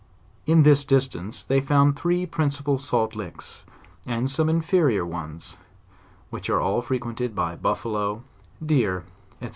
In this distance, they found three principal salt licks, and some inferior ones, which are all fre quented by buffalo, deer, &c.